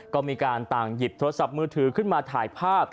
ก็มีการต่างหยิบโทรศัพท์มือถือขึ้นมาถ่ายภาพ